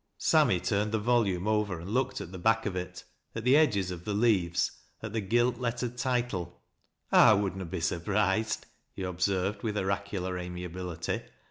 Sammy turned the volmne over, and looked at the Dack of it, at the edges of the leavss, at the gilt iettered title. " I would na be surprised," he observed with oraculai amiability.